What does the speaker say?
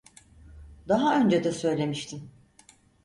Daha önce de söylemiştim.